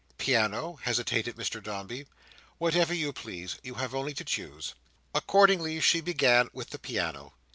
"Piano?" hesitated Mr Dombey. "Whatever you please. You have only to choose." Accordingly, she began with the piano.